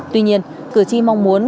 tuy nhiên cử tri mong muốn